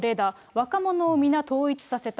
若者を皆統一させた。